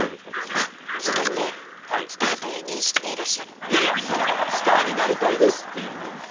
あっ自分でいやいやスターになりたいですっていう。